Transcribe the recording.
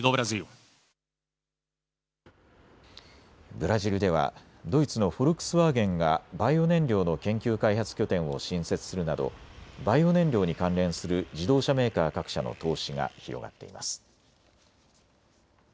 ブラジルではドイツのフォルクスワーゲンがバイオ燃料の研究開発拠点を新設するなどバイオ燃料に関連する自動車メーカー各社の投資が広がっています。